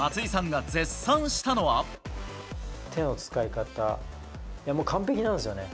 手の使い方、完璧なんですよね。